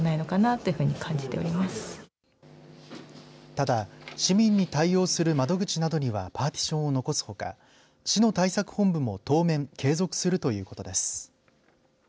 ただ市民に対応する窓口などにはパーティションを残すほか市の対策本部も当面継続するということです。